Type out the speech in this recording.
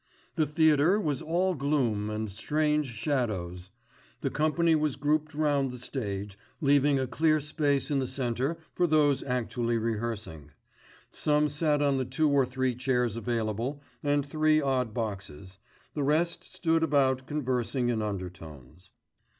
The theatre was all gloom and strange shadows. The company was grouped round the stage, leaving a clear space in the centre for those actually rehearsing. Some sat on the two or three chairs available and three odd boxes, the rest stood about conversing in undertones.